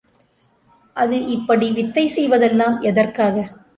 அது இப்படி வித்தை செய்வதெல்லாம் எதற்காக!